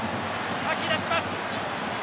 かき出します。